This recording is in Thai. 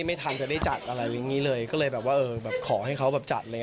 ไม่ทันจะได้จัดอะไรอย่างนี้เลยก็เลยแบบว่าเออแบบขอให้เขาแบบจัดเลย